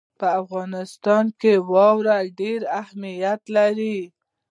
په افغانستان کې واوره ډېر اهمیت لري.